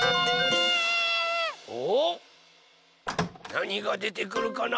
なにがでてくるかな？